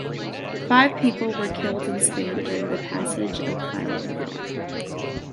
Five people were killed in Spain during the passage of Filomena.